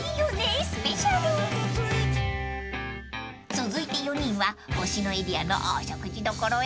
［続いて４人は星野エリアのお食事どころへ］